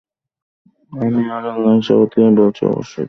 আর আমি আল্লাহর শপথ করে বলছি, অবশ্যই তৃতীয়টি বাস্তবায়িত হবে।